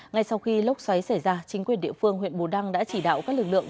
ngay sau khi lốc xoáy xảy ra chính quyền địa phương huyện bù đăng đã chỉ đạo các lực lượng